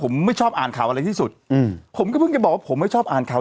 ผมไม่ชอบอ่านข่าวอะไรที่สุดอืมผมก็เพิ่งจะบอกว่าผมไม่ชอบอ่านข่าว